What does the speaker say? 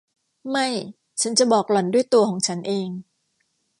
ไม่ ฉันจะบอกหล่อนด้วยตัวของฉันเอง